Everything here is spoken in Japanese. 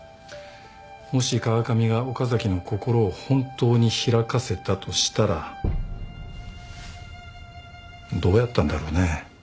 もし川上が岡崎の心を本当に開かせたとしたらどうやったんだろうね？